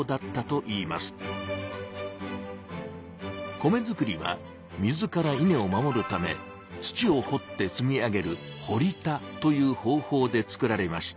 米作りは水からイネを守るため土を掘って積み上げる「堀田」という方法で作られました。